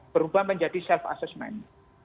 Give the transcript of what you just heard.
perubahan menjadi self assessment